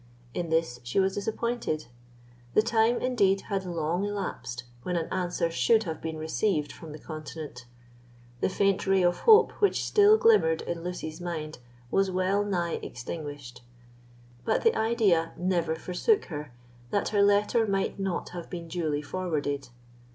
In this she was disappointed. The time, indeed, had long elapsed when an answer should have been received from the continent. The faint ray of hope which still glimmered in Lucy's mind was well nigh extinguished. But the idea never forsook her that her letter might not have been duly forwarded.